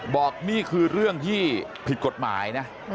บอกนี่คือเรื่องที่ผิดกฎหมายนะ